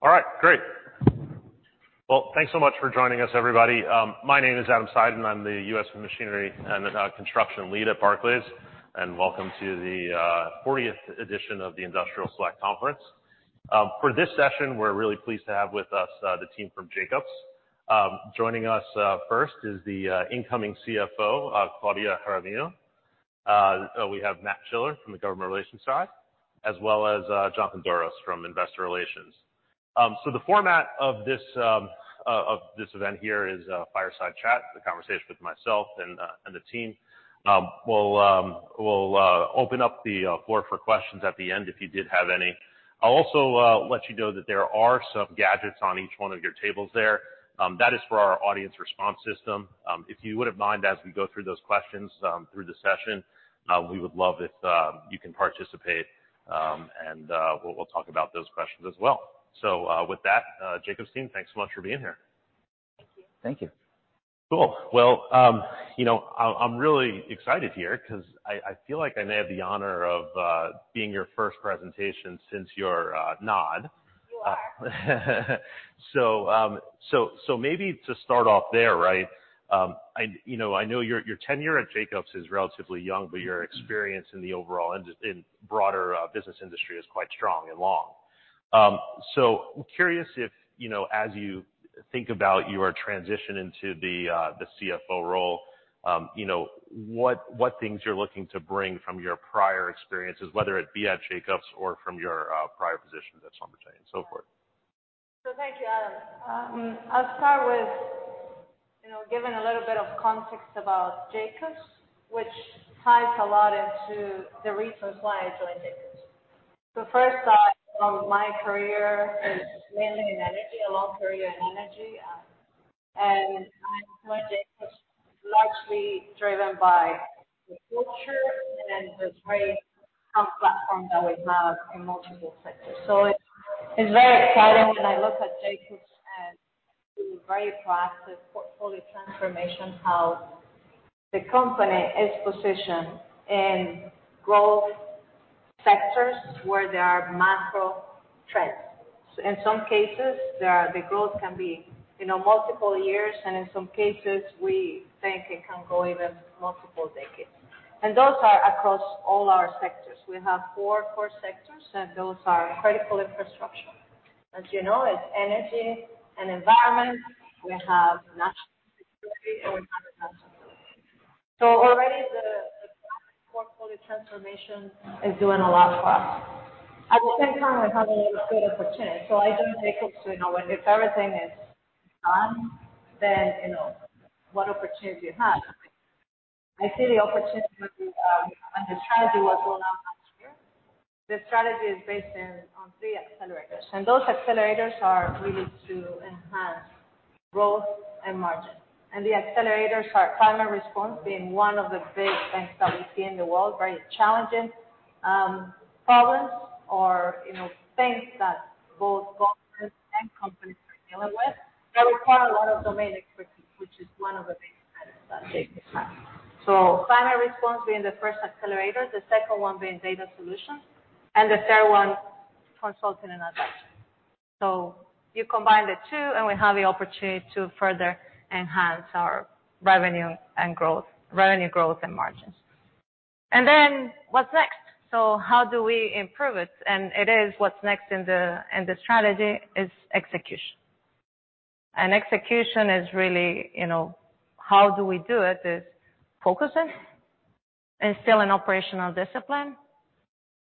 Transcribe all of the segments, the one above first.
All right, great. Well, thanks so much for joining us, everybody. My name is Adam Seiden, I'm the U.S. Machinery and Construction Lead at Barclays. Welcome to the fortieth edition of the Industrials Select Conference. For this session, we're really pleased to have with us, the team from Jacobs. Joining us, first is the incoming CFO, Claudia Jaramillo. We have Matt Schiller from the Government Relations side, as well as Jonathan Doros from Investor Relations. The format of this event here is a fireside chat, a conversation with myself and the team. We'll open up the floor for questions at the end if you did have any. I'll also let you know that there are some gadgets on each one of your tables there. That is for our audience response system. If you wouldn't mind, as we go through those questions, through the session, we would love if you can participate. And we'll talk about those questions as well. With that, Jacobs team, thanks so much for being here. Thank you. Thank you. Cool. Well, you know, I'm really excited here 'cause I feel like I may have the honor of being your first presentation since your nod. You are. maybe to start off there, right? I, you know, I know your tenure at Jacobs is relatively young, but your experience in the overall in broader business industry is quite strong and long. I'm curious if, you know, as you think about your transition into the CFO role, you know, what things you're looking to bring from your prior experiences, whether it be at Jacobs or from your prior position at SLB and so forth. Thank you, Adam. I'll start with, you know, giving a little bit of context about Jacobs, which ties a lot into the reasons why I joined Jacobs. First, my career is mainly in energy, a long career in energy. I joined Jacobs largely driven by the future and the great hub platform that we have in multiple sectors. It's, it's very exciting when I look at Jacobs and the very proactive portfolio transformation, how the company is positioned in growth sectors where there are macro trends. In some cases, the growth can be, you know, multiple years, and in some cases, we think it can go even multiple decades. Those are across all our sectors. We have four core sectors, and those are critical infrastructure. As you know, it's Energy and Environment. We have National Security and Cyber and National Security. Already the core portfolio transformation is doing a lot for us. At the same time, we have a lot of good opportunities. I joined Jacobs, you know, and if everything is done, then you know what opportunities you have. I see the opportunity, and the strategy was rolled out last year. The strategy is based on three accelerators, and those accelerators are really to enhance growth and margins. The accelerators are Climate Response being one of the big things that we see in the world, very challenging problems or, you know, things that both governments and companies are dealing with that require a lot of domain expertise, which is one of the big strengths that Jacobs has. Climate Response being the first accelerator, the second one being data solutions, and the third one consulting and advice. You combine the two, and we have the opportunity to further enhance our revenue growth and margins. Then what's next? How do we improve it? It is what's next in the strategy is execution. Execution is really, you know, how do we do it is focusing, instilling operational discipline,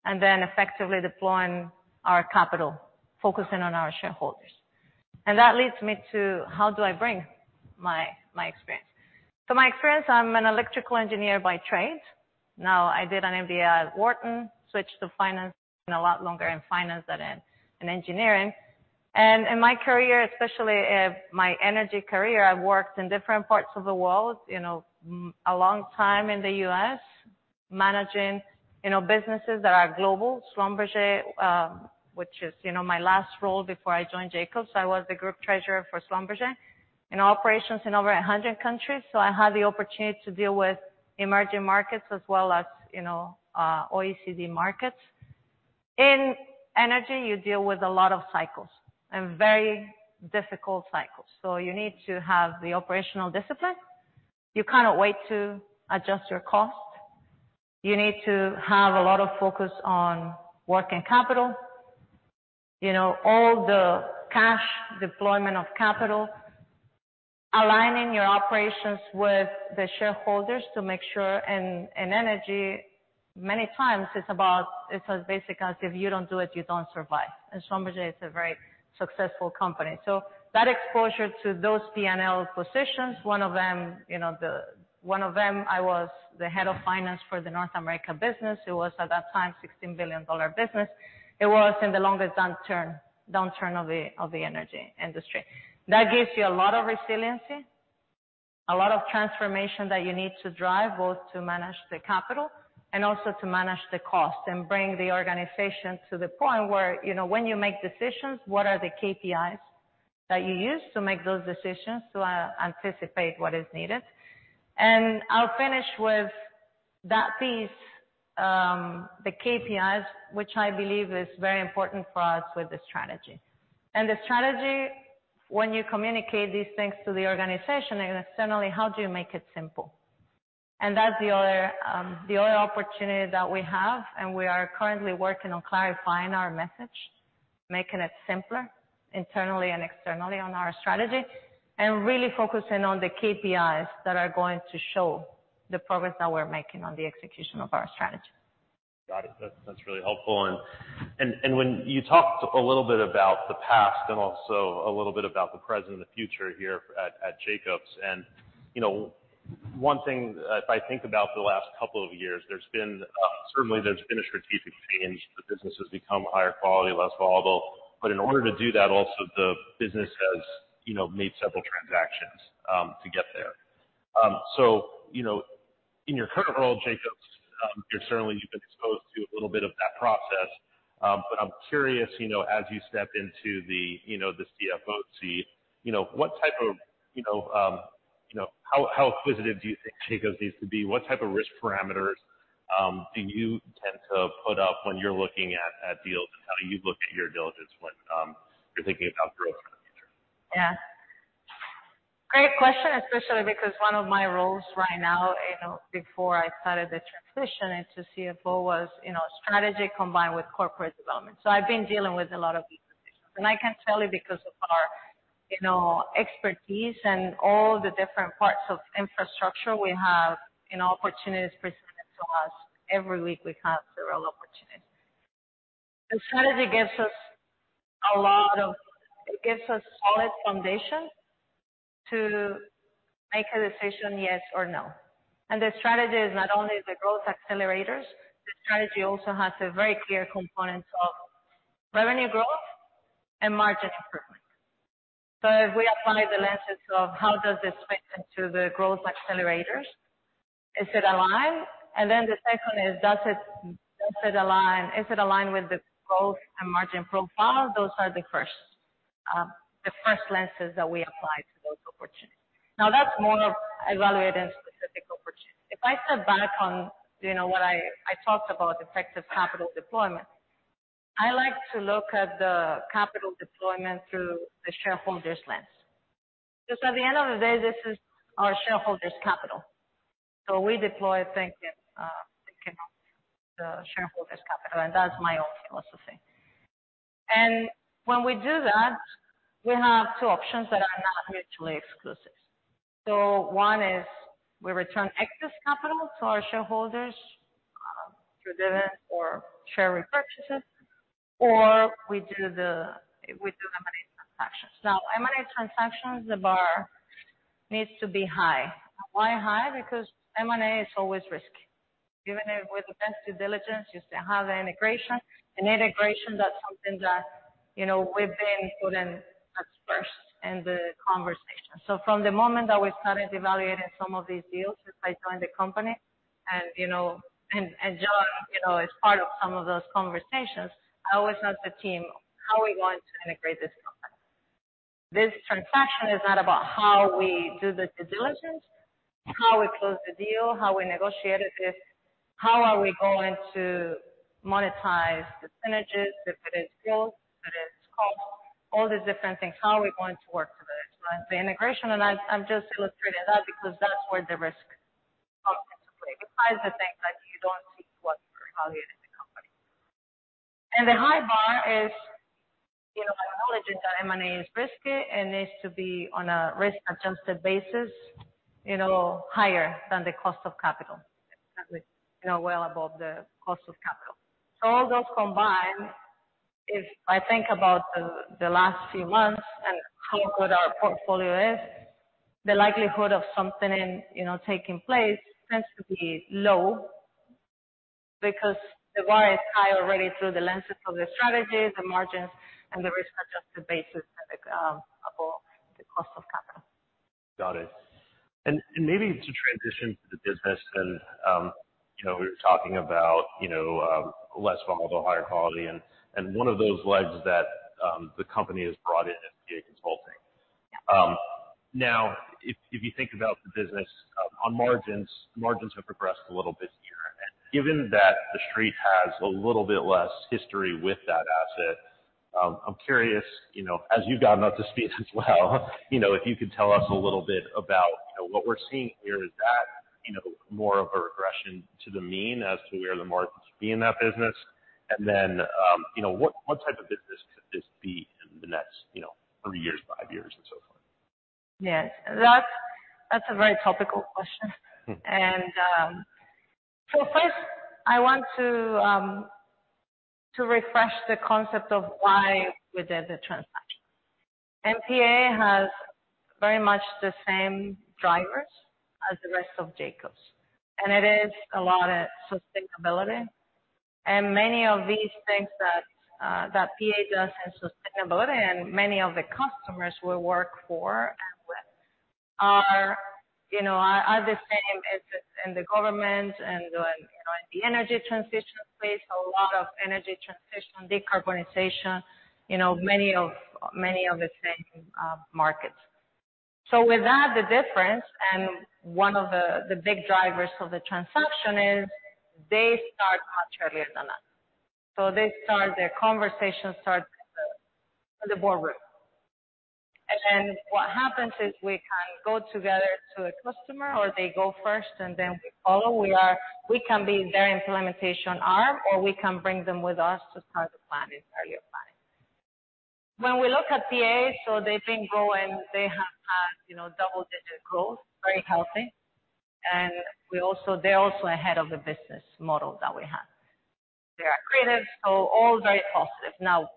and then effectively deploying our capital, focusing on our shareholders. That leads me to how do I bring my experience. My experience, I'm an electrical engineer by trade. Now, I did an MBA at Wharton, switched to finance. Been a lot longer in finance than in engineering. In my career, especially, my energy career, I've worked in different parts of the world. You know, a long time in the U.S. managing, you know, businesses that are global. SLB, which is, you know, my last role before I joined Jacobs. I was the group treasurer for SLB in operations in over 100 countries, I had the opportunity to deal with emerging markets as well as, you know, OECD markets. In energy, you deal with a lot of cycles and very difficult cycles. You need to have the operational discipline. You cannot wait to adjust your costs. You need to have a lot of focus on working capital, you know, all the cash deployment of capital, aligning your operations with the shareholders to make sure. In energy, many times it's about, it's as basic as if you don't do it, you don't survive. SLB is a very successful company. That exposure to those P&L positions, one of them, you know, one of them, I was the head of finance for the North America business. It was, at that time, a $16 billion business. It was in the longest downturn of the energy industry. That gives you a lot of resiliency, a lot of transformation that you need to drive, both to manage the capital and also to manage the cost and bring the organization to the point where, you know, when you make decisions, what are the KPIs that you use to make those decisions to anticipate what is needed. I'll finish with that piece, the KPIs, which I believe is very important for us with the strategy. The strategy, when you communicate these things to the organization and externally, how do you make it simple? That's the other opportunity that we have, and we are currently working on clarifying our message, making it simpler internally and externally on our strategy, and really focusing on the KPIs that are going to show the progress that we're making on the execution of our strategy. Got it. That's really helpful. When you talked a little bit about the past and also a little bit about the present and the future here at Jacobs. You know, one thing if I think about the last couple of years, there's been, certainly there's been a strategic change. The business has become higher quality, less volatile. In order to do that, also the business has, you know, made several transactions to get there. You know, in your current role at Jacobs, you're certainly you've been exposed to a little bit of that process. I'm curious, you know, as you step into the, you know, the CFO seat, you know, what type of, you know, how acquisitive do you think Jacobs needs to be? What type of risk parameters do you tend to put up when you're looking at deals and how you look at your diligence when you're thinking about growth in the future? Great question, especially because one of my roles right now, you know, before I started the transition into CFO was, you know, strategy combined with corporate development. I've been dealing with a lot of these positions. I can tell you, because of our, you know, expertise and all the different parts of infrastructure we have, you know, opportunities presented to us. Every week we have several opportunities. It gives us solid foundation to make a decision, yes or no. The strategy is not only the growth accelerators, the strategy also has a very clear component of revenue growth and margin improvement. If we apply the lenses of how does this fit into the growth accelerators, is it aligned? The second is, does it align, is it aligned with the growth and margin profile? Those are the first, the first lenses that we apply to those opportunities. That's more of evaluating specific opportunities. If I step back on, you know, what I talked about effective capital deployment. I like to look at the capital deployment through the shareholders' lens. At the end of the day, this is our shareholders' capital. We deploy it thinking of the shareholders' capital. That's my own philosophy. When we do that, we have two options that are not mutually exclusive. One is we return excess capital to our shareholders, through dividends or share repurchases, or we do M&A transactions. M&A transactions, the bar needs to be high. Why high? M&A is always risky. Even with extensive diligence, you still have the integration. Integration, that's something that, you know, we've been putting at first in the conversation. From the moment that we started evaluating some of these deals, since I joined the company, and, you know, and John, you know, as part of some of those conversations, I always ask the team, "How are we going to integrate this company?" This transaction is not about how we do the due diligence, how we close the deal, how we negotiate it. It's how are we going to monetize the synergies, if it is growth, if it is cost, all these different things. How are we going to work through the integration? I'm just illustrating that because that's where the risk comes into play. Besides the things that you don't see when evaluating the company. The high bar is, you know, acknowledging that M&A is risky and needs to be on a risk-adjusted basis, you know, higher than the cost of capital. You know, well above the cost of capital. All those combined, if I think about the last few months and how good our portfolio is, the likelihood of something in, you know, taking place tends to be low because the bar is high already through the lenses of the strategy, the margins, and the risk-adjusted basis, above the cost of capital. Got it. Maybe to transition to the business, you know, we were talking about, you know, less volatile, higher quality. One of those legs that the company has brought in is PA Consulting. Now if you think about the business on margins have progressed a little bit here. Given that the street has a little bit less history with that asset, I'm curious, you know, as you've gotten up to speed as well, you know, if you could tell us a little bit about, you know, what we're seeing here. Is that, you know, more of a regression to the mean as to where the margins should be in that business? You know, what type of business could this be in the next, you know, three years, five years and so forth? Yes. That's, that's a very topical question. First I want to refresh the concept of why we did the transaction. PA has very much the same drivers as the rest of Jacobs, and it is a lot of sustainability. Many of these things that PA does in sustainability, and many of the customers we work for and with are, you know, the same interests in the government and in the energy transition space. A lot of energy transition, decarbonization, many of the same markets. With that, the difference and one of the big drivers of the transaction is they start much earlier than us. Their conversation starts in the boardroom. What happens is we can go together to a customer, or they go first and then we follow. We can be their implementation arm, or we can bring them with us to start to plan it, earlier planning. When we look at PA, they've been growing. They have had, you know, double-digit growth, very healthy. They're also ahead of the business model that we have. They are accretive, all very positive. Now,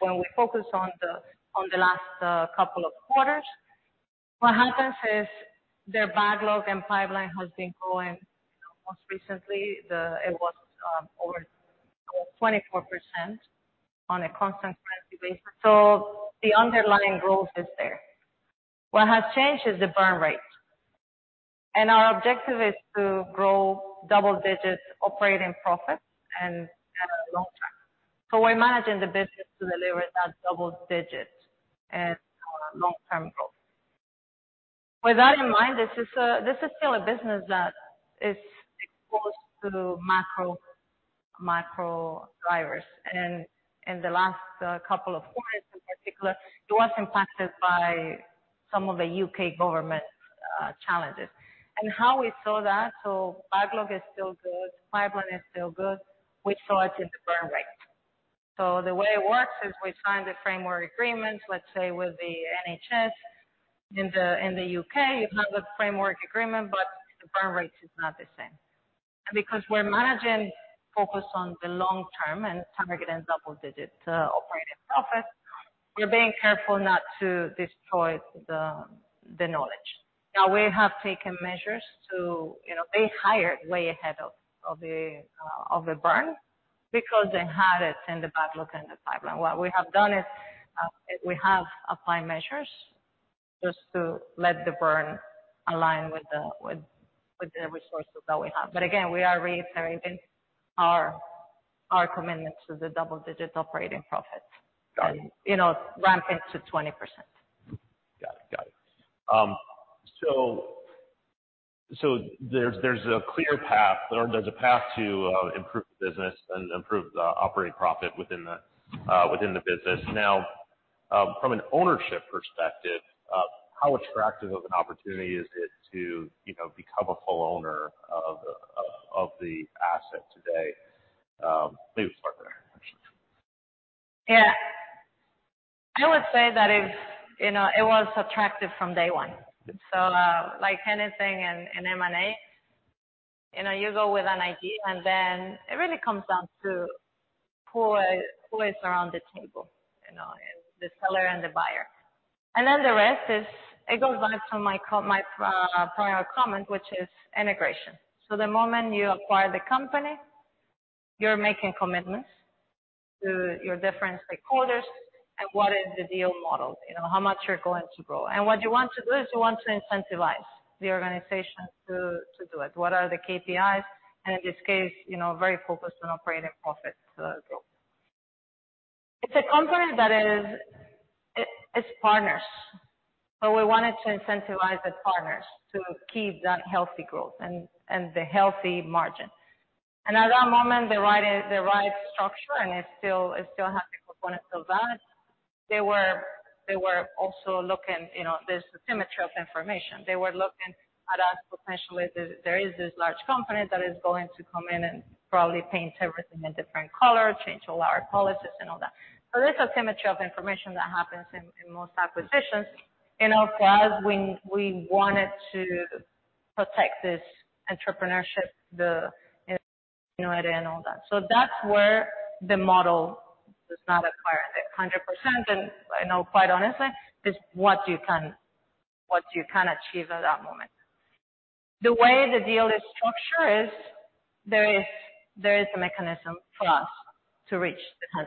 when we focus on the, on the last couple of quarters, what happens is their backlog and pipeline has been growing. Most recently, it was over 24% on a constant currency basis. The underlying growth is there. What has changed is the burn rate. Our objective is to grow double digits operating profits and long term. We're managing the business to deliver that double-digit and long-term growth. With that in mind, this is still a business that is exposed to macro drivers. In the last couple of quarters in particular, it was impacted by some of the UK government challenges. How we saw that: backlog is still good, pipeline is still good. We saw it in the burn rate. The way it works is we sign the framework agreements, let's say with the NHS in the UK. It's not a framework agreement, but the burn rate is not the same. Because we're managing focus on the long-term and targeting double-digit operating profits, we're being careful not to destroy the knowledge. We have taken measures to, you know, they hired way ahead of the burn because they had it in the backlog and the pipeline. What we have done is, we have applied measures just to let the burn align with the resources that we have. Again, we are reiterating our commitment to the double-digit operating profits and, you know, ramp it to 20%. Got it. Got it. There's a clear path or there's a path to improve the business and improve the operating profit within the business. From an ownership perspective, how attractive of an opportunity is it to, you know, become a full owner of the asset today? Maybe start there. Yeah. I would say that it's, you know, it was attractive from day one. Like anything in M&A, you know, you go with an idea, and then it really comes down to who is around the table, you know, the seller and the buyer. The rest is it goes back to my prior comment, which is integration. The moment you acquire the company, you're making commitments to your different stakeholders and what is the deal model. You know, how much you're going to grow. What you want to do is you want to incentivize the organization to do it. What are the KPIs? In this case, you know, very focused on operating profits growth. It's a company that is... It's partners. We wanted to incentivize the partners to keep that healthy growth and the healthy margin. At that moment, the right is the right structure, and it still has the components of that. They were also looking, you know, there's a symmetry of information. There is this large company that is going to come in and probably paint everything a different color, change all our policies and all that. There's a symmetry of information that happens in most acquisitions. In our case, we wanted to protect this entrepreneurship, you know, and all that. That's where the model does not acquire the 100% and I know quite honestly is what you can achieve at that moment. The way the deal is structured is there is a mechanism for us to reach the 100%.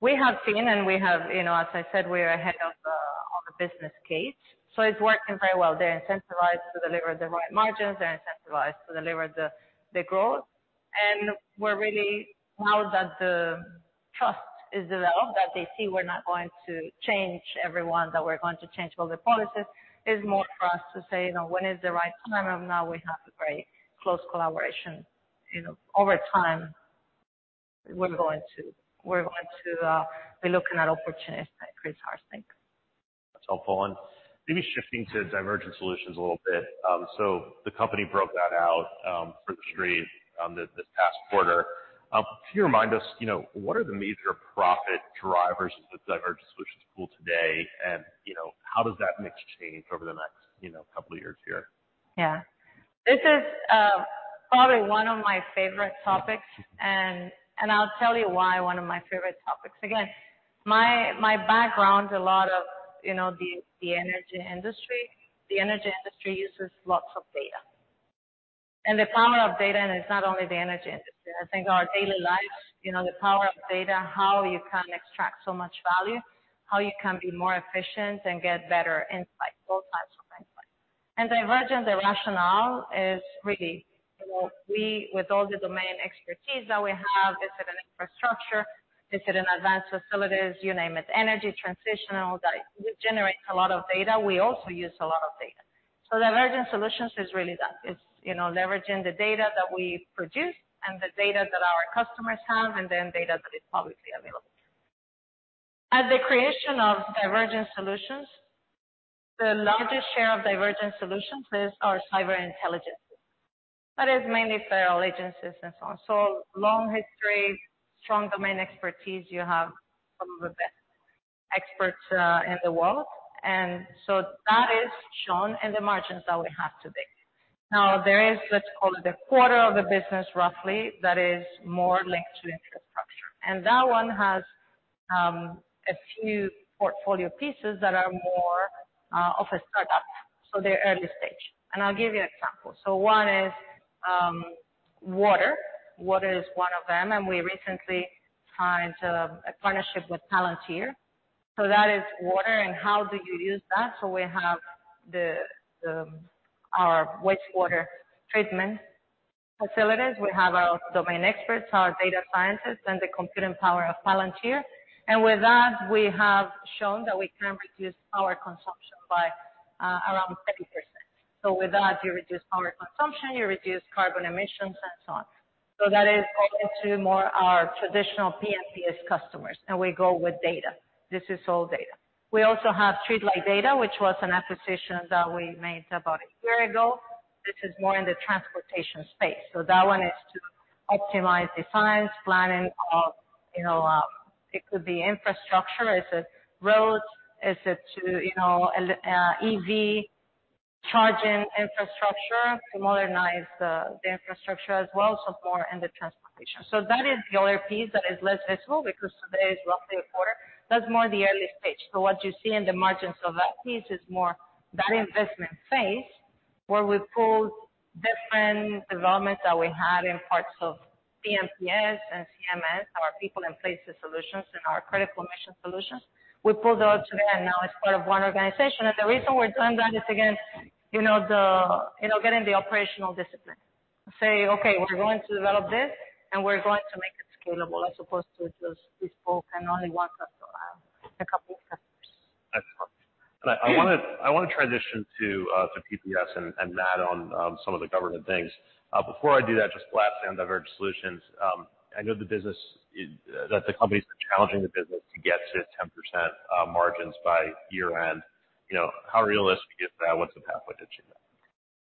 We have seen and we have you know, as I said, we are ahead of the business case, so it's working very well. They're incentivized to deliver the right margins. They're incentivized to deliver the growth. We're really now that the trust is developed, that they see we're not going to change everyone, that we're going to change all the policies, is more for us to say, you know, when is the right time? Now we have a very close collaboration. You know, over time, we're going to be looking at opportunities to increase our stake. That's helpful. Maybe shifting to Divergent Solutions a little bit. The company broke that out for the street this past quarter. Can you remind us, you know, what are the major profit drivers of the Divergent Solutions pool today? You know, how does that mix change over the next, you know, couple of years here? Yeah. This is probably one of my favorite topics and I'll tell you why one of my favorite topics. Again, my background, a lot of you know, the energy industry. The energy industry uses lots of data. The power of data, and it's not only the energy industry, I think our daily lives, you know, the power of data, how you can extract so much value, how you can be more efficient and get better insights, both types of insights. Divergent, the rationale is really we with all the domain expertise that we have, is it an infrastructure? Is it an Advanced Facilities? You name it, energy transitional that generates a lot of data. We also use a lot of data. Divergent Solutions is really that. It's, you know, leveraging the data that we produce and the data that our customers have, then data that is publicly available. At the creation of Divergent Solutions, the largest share of Divergent Solutions is our cyber intelligence, but it's mainly federal agencies and so on. Long history, strong domain expertise. You have some of the best experts in the world, so that is shown in the margins that we have today. There is, let's call it, a quarter of the business, roughly, that is more linked to infrastructure. That one has a few portfolio pieces that are more of a startup, so they're early stage. I'll give you an example. One is water. Water is one of them. We recently signed a partnership with Palantir. That is water. How do you use that? We have our wastewater treatment facilities. We have our domain experts, our data scientists, and the computing power of Palantir. With that, we have shown that we can reduce power consumption by around 30%. With that, you reduce power consumption, you reduce carbon emissions, and so on. That is more into more our traditional P&PS customers. We go with data. This is all data. We also have StreetLight Data, which was an acquisition that we made about a year ago. This is more in the transportation space. That one is to optimize designs, planning of, you know, it could be infrastructure. Is it roads? Is it to, you know, EV charging infrastructure to modernize the infrastructure as well? More in the transportation. That is the other piece that is less visible because today is roughly a quarter. That's more the early stage. What you see in the margins of that piece is more that investment phase where we pull different developments that we had in parts of P&PS and CMS, our People & Places Solutions and our Critical Mission Solutions. We pulled those together, and now it's part of one organization. The reason we're doing that is, again, you know, getting the operational discipline. Say, okay, we're going to develop this, and we're going to make it scalable as opposed to just we spoke and only want a couple of customers. That's helpful. I want to transition to P&PS and Matt on some of the government things. Before I do that, just last thing on Divergent Solutions. I know the business that the company is challenging the business to get to 10% margins by year-end. You know, how realistic is that? What's the pathway to achieve that?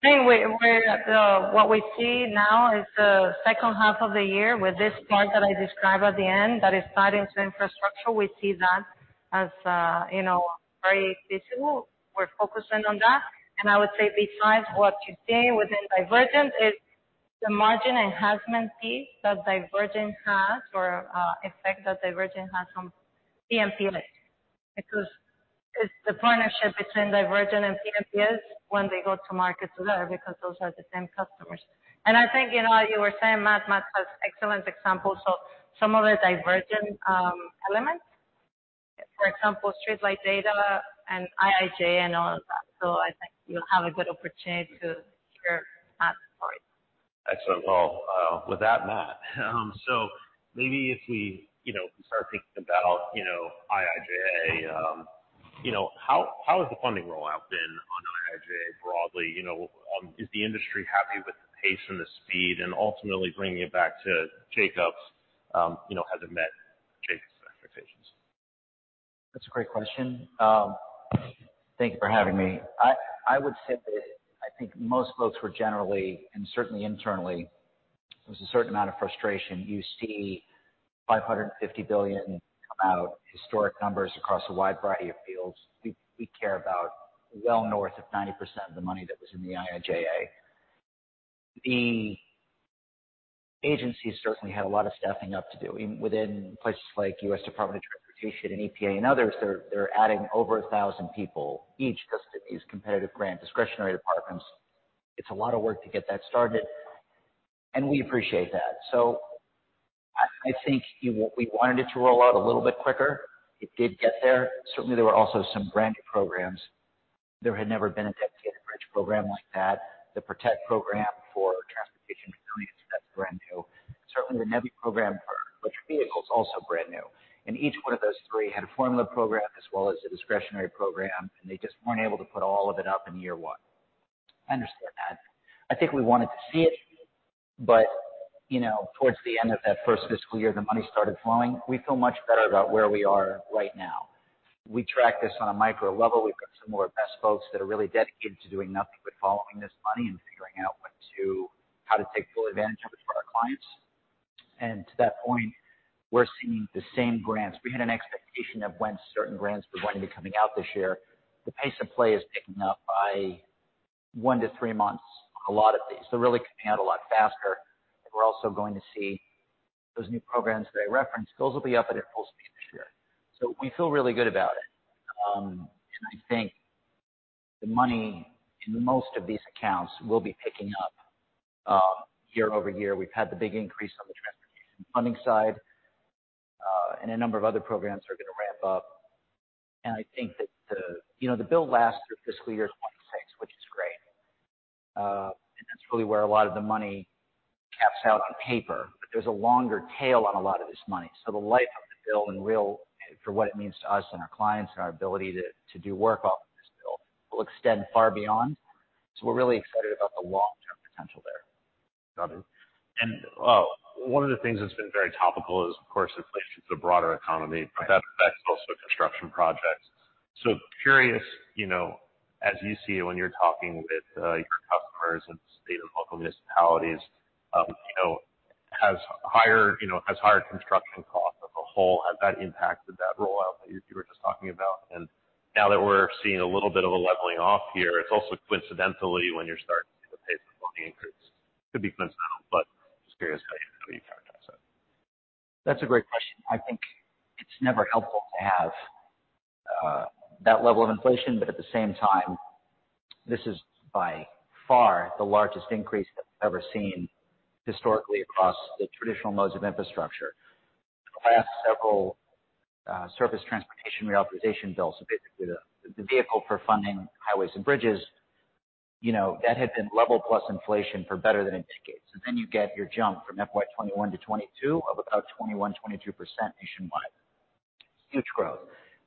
I think What we see now is the second half of the year with this part that I described at the end that is tied into infrastructure. We see that as, you know, very visible. We're focusing on that. I would say besides what you're seeing within Divergent is the margin enhancement piece that Divergent has or effect that Divergent has on P&PS. It's the partnership between Divergent and P&PS when they go to market together, because those are the same customers. I think, you know, you were saying, Matt has excellent examples of some of the Divergent elements. For example, StreetLight Data and IIJA and all of that. I think you'll have a good opportunity to hear Matt's point. Excellent call. With that, Matt, maybe if we, you know, start thinking about, you know, IIJA, you know, how has the funding rollout been on IIJA broadly? You know, is the industry happy with the pace and the speed and ultimately bringing it back to Jacobs, you know, has it met Jacobs' expectations? That's a great question. Thank you for having me. I would say that I think most folks were generally, and certainly internally, there's a certain amount of frustration. You see $550 billion come out, historic numbers across a wide variety of fields. We care about well north of 90% of the money that was in the IIJA. The agencies certainly had a lot of staffing up to do within places like U.S. Department of Transportation and EPA and others. They're adding over 1,000 people each just to these competitive grant discretionary departments. It's a lot of work to get that started, and we appreciate that. I think we wanted it to roll out a little bit quicker. It did get there. Certainly, there were also some brand new programs. There had never been a dedicated bridge program like that. The PROTECT Program for transportation and communities, that's brand new. Certainly, the NEVI Program for electric vehicles, also brand new. Each one of those 3 had a formula program as well as a discretionary program, and they just weren't able to put all of it up in year 1. I understand that. I think we wanted to see it, but, you know, towards the end of that first fiscal year, the money started flowing. We feel much better about where we are right now. We track this on a micro level. We've got some of our best folks that are really dedicated to doing nothing but following this money and figuring out how to take full advantage of it for our clients. To that point, we're seeing the same grants. We had an expectation of when certain grants were going to be coming out this year. The pace of play is picking up by 1-3 months, a lot of these. They're really coming out a lot faster. We're also going to see those new programs that I referenced. Those will be up at their full speed this year. We feel really good about it. I think the money in most of these accounts will be picking up year-over-year. We've had the big increase on the transportation funding side. A number of other programs are going to ramp up. I think that the, you know, the bill lasts through fiscal year 2026, which is great. That's really where a lot of the money caps out on paper. There's a longer tail on a lot of this money. The life of the bill and will, for what it means to us and our clients and our ability to do work off of this bill, will extend far beyond. We're really excited about the long-term potential there. Got it. One of the things that's been very topical is, of course, inflation for the broader economy. Right. That affects also construction projects. Curious, you know, as you see when you're talking with your customers and state and local municipalities, you know, has higher construction costs as a whole, has that impacted that rollout that you were just talking about? Now that we're seeing a little bit of a leveling off here, it's also coincidentally when you're starting to see the pace of funding increase. Could be coincidental, but just curious how you factor that in. That's a great question. I think it's never helpful to have that level of inflation, but at the same time, this is by far the largest increase that we've ever seen historically across the traditional modes of infrastructure. The last several Surface Transportation Reauthorization bills, so basically the vehicle for funding highways and bridges, you know, that had been level plus inflation for better than a decade. You get your jump from FY21 to FY22 of about 21%-22% nationwide. Huge growth.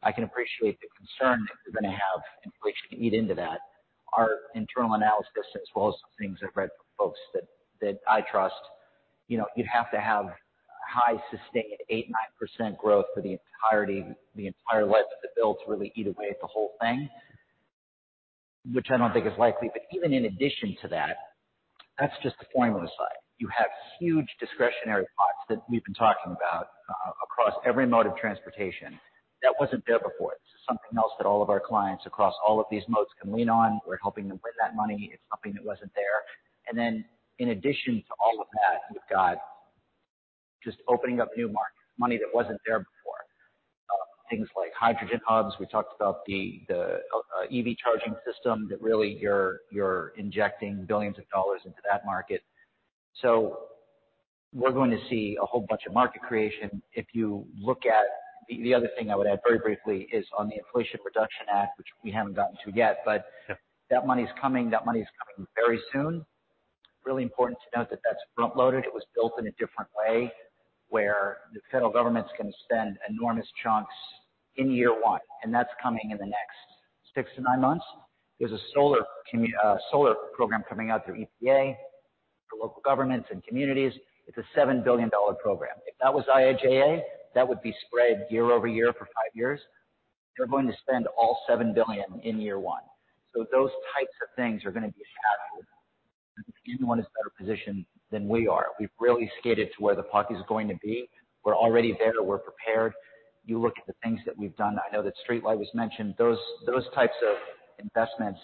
I can appreciate the concern that you're going to have inflation can eat into that. Our internal analysis, as well as some things I've read from folks that I trust, you know, you'd have to have high sustained 8%, 9% growth for the entirety, the entire life of the bill to really eat away at the whole thing, which I don't think is likely. Even in addition to that's just the formula side. You have huge discretionary pots that we've been talking about across every mode of transportation that wasn't there before. This is something else that all of our clients across all of these modes can lean on. We're helping them with that money. It's something that wasn't there. Then in addition to all of that, you've got just opening up new markets, money that wasn't there before. Things like hydrogen hubs. We talked about the EV charging system that really you're injecting billions of dollars into that market. We're going to see a whole bunch of market creation. The other thing I would add very briefly is on the Inflation Reduction Act, which we haven't gotten to yet. Sure. That money's coming, that money's coming very soon. Really important to note that that's front-loaded. It was built in a different way, where the federal government's going to spend enormous chunks in year 1, and that's coming in the next six to nine months. There's a solar program coming out through EPA for local governments and communities. It's a $7 billion program. If that was IIJA, that would be spread year over year for 5 years. They're going to spend all $7 billion in year 1. Those types of things are gonna be a shadow. I don't think anyone is better positioned than we are. We've really skated to where the puck is going to be. We're already there. We're prepared. You look at the things that we've done. I know that StreetLight was mentioned. Those types of investments,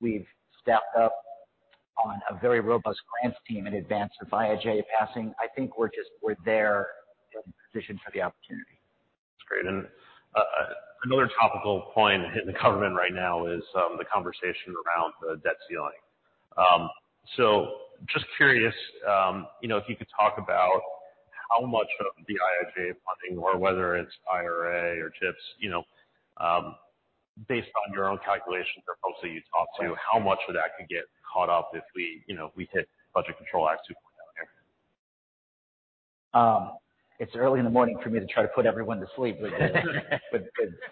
we've stepped up on a very robust grants team in advance of IIJA passing. I think we're just, we're there in position for the opportunity. That's great. Another topical point hitting the government right now is the conversation around the debt ceiling. Just curious, you know, if you could talk about how much of the IIJA funding or whether it's IRA or CHIPS, you know, based on your own calculations or folks that you talk to... Right. How much of that could get caught up if we, you know, if we hit Budget Control Act two-point-zero here? It's early in the morning for me to try to put everyone to sleep with this. With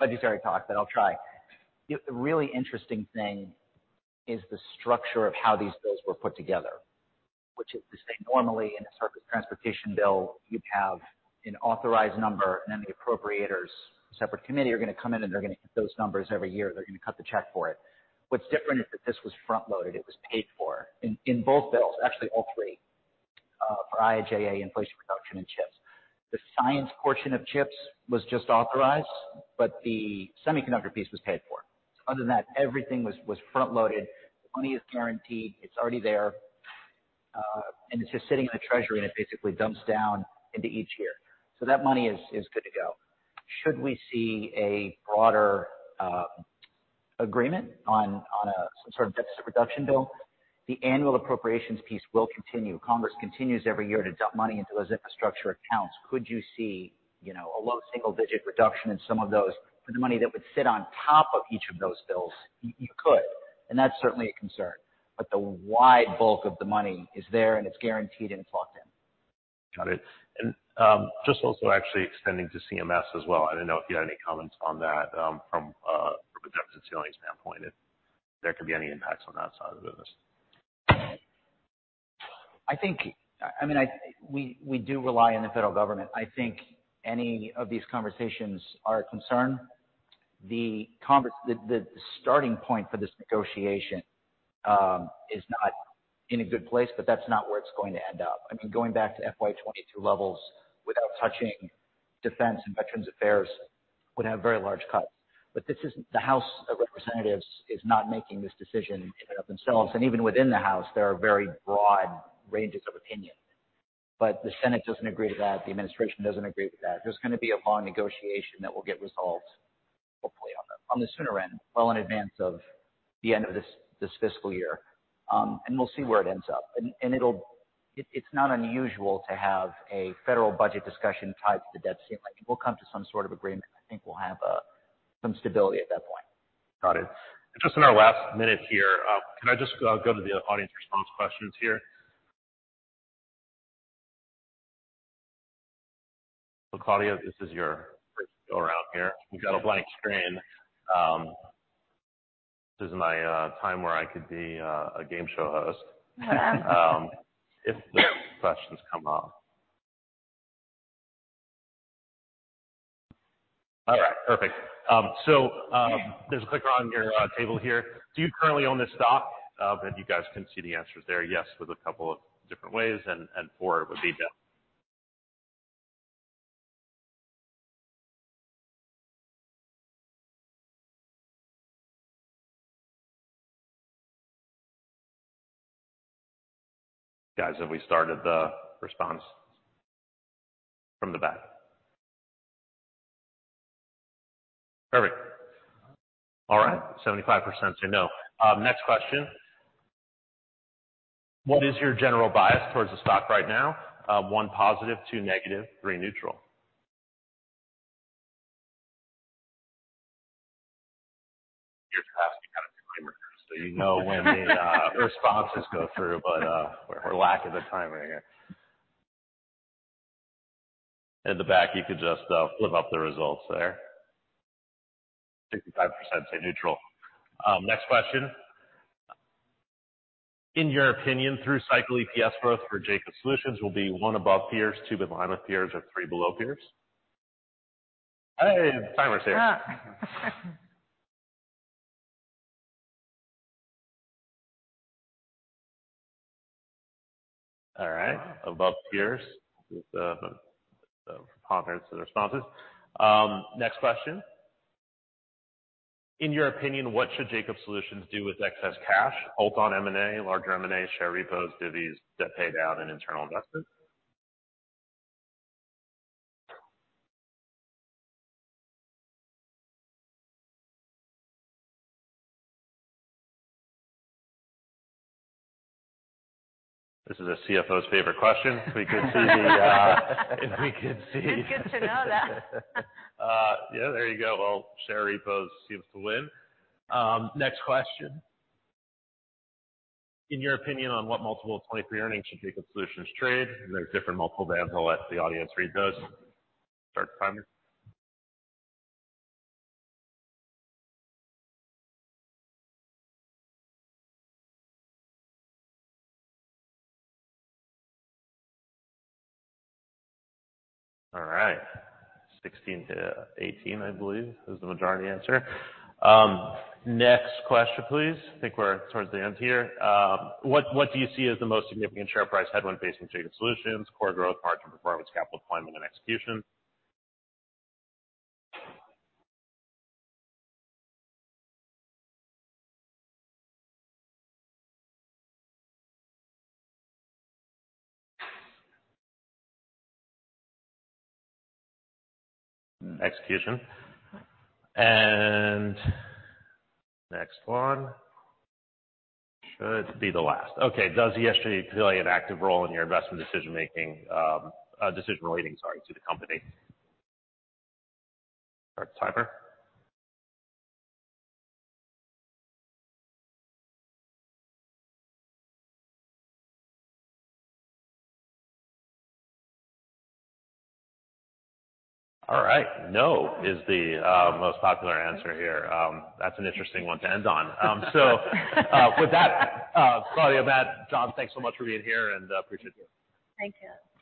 budgetary talks, but I'll try. The really interesting thing is the structure of how these bills were put together, which is to say, normally in a Surface Transportation bill, you'd have an authorized number, and then the appropriators, a separate committee, are gonna come in and they're gonna hit those numbers every year. They're gonna cut the check for it. What's different is that this was front-loaded. It was paid for in both bills. Actually all three, for IIJA, Inflation Reduction, and CHIPS. The science portion of CHIPS was just authorized, but the semiconductor piece was paid for. Other than that, everything was front-loaded. The money is guaranteed. It's already there, and it's just sitting in the Treasury, and it basically dumps down into each year. That money is good to go. Should we see a broader agreement on some sort of deficit reduction bill, the annual appropriations piece will continue. Congress continues every year to dump money into those infrastructure accounts. Could you see, you know, a low single-digit reduction in some of those for the money that would sit on top of each of those bills? You, you could, and that's certainly a concern. The wide bulk of the money is there, and it's guaranteed, and it's locked in. Got it. Just also actually extending to CMS as well. I didn't know if you had any comments on that from a debt ceiling standpoint, if there could be any impacts on that side of the business. I mean, we do rely on the federal government. I think any of these conversations are a concern. The starting point for this negotiation is not in a good place, that's not where it's going to end up. I mean, going back to FY22 levels without touching defense and veterans affairs would have very large cuts. This isn't The House of Representatives is not making this decision in and of themselves. Even within the House, there are very broad ranges of opinion. The Senate doesn't agree to that. The administration doesn't agree with that. There's gonna be a long negotiation that will get resolved. On the sooner end, well in advance of the end of this fiscal year. We'll see where it ends up. It's not unusual to have a federal budget discussion tied to the debt ceiling. People come to some sort of agreement. I think we'll have some stability at that point. Got it. Just in our last minute here, can I just go to the audience response questions here? Claudia, this is your first go around here. We've got a blank screen. This is my time where I could be a game show host. If the questions come up. All right, perfect. There's a clicker on your table here. Do you currently own this stock? You guys can see the answers there. Yes, with a couple of different ways and 4 would be no. Guys, have we started the response from the back? Perfect. All right. 75% say no. Next question. What is your general bias towards the stock right now? 1, positive, 2, negative, 3, neutral. You're tasked to be kind of the timer here, so you know when the responses go through, but we're lack of the timing here. In the back, you could just flip up the results there. 65% say neutral. Next question. In your opinion, through cycle EPS growth for Jacobs Solutions will be 1, above peers, 2, behind peers, or 3, below peers. Hey, timer's here. Ah. All right. Above peers with the preponderance of the responses. Next question. In your opinion, what should Jacobs Solutions do with excess cash? Hold on M&A, larger M&A, share repos, divies, debt paid down, and internal investment. This is a CFO's favorite question. We could see. Good to know that. Yeah, there you go. Well, share repos seems to win. Next question. In your opinion, on what multiple 2023 earnings should Jacobs Solutions trade? There's different multiple there. I'll let the audience read those. Start the timer. All right. 16-18, I believe is the majority answer. Next question, please. I think we're towards the end here. What do you see as the most significant share price headwind facing Jacobs Solutions, core growth, margin performance, capital deployment, and execution? Execution. Next one should be the last. Okay. Does ESG play an active role in your investment decision-making, decision relating, sorry, to the company? Start the timer. All right. No, is the most popular answer here. That's an interesting one to end on. With that, Claudia, Matt, John, thanks so much for being here, and I appreciate you. Thank you.